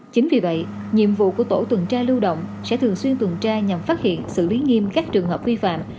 chính vì vậy nhiệm vụ của tổ tuần tra lưu động sẽ thường xuyên tuần tra nhằm phát hiện xử lý nghiêm các trường hợp vi phạm